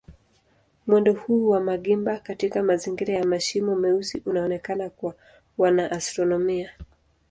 Mwendo huu wa magimba katika mazingira ya mashimo meusi unaonekana kwa wanaastronomia.